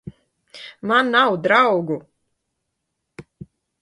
Man nav draugu!